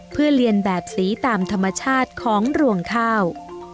เพื่อเรียนแบบสีตามธรรมชาติของรวงข้าว